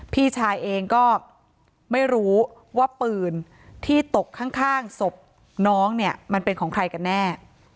พี่ชายเองก็ไม่รู้ว่าปืนที่ตกข้างศพน้องเนี่ยมันเป็นของใครกันแน่